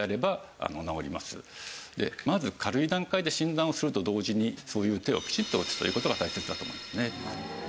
まず軽い段階で診断をすると同時にそういう手をきちっと打つという事が大切だと思いますね。